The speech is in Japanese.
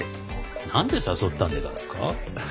何で誘ったんでがすか？